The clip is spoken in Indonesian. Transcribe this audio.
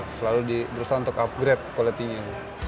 selalu berusaha untuk upgrade quality nya